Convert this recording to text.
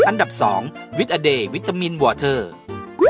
อันดับ๒วิทอเดย์วิตามินวอเทอร์